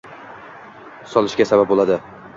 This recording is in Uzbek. solishga sabab bo‘ladi.